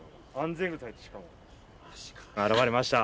現れました。